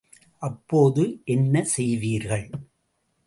அப்போது என்ன செய்வீர்கள்?